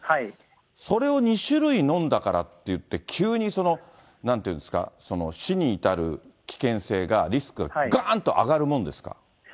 それを２種類飲んだからっていって、急に、なんていうんですか、死に至る危険性が、リスクががーんと上がるもんですか？